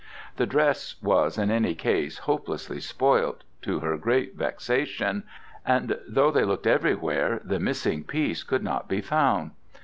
The dress was, in any case, hopelessly spoilt, to her great vexation, and though they looked everywhere, the missing piece could not be found.